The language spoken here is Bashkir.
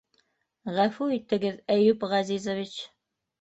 Ғәфү итегеҙ, Әйүп Ғәзизович...